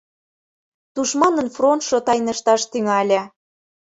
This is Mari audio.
Тушманын фронтшо тайнышташ тӱҥале.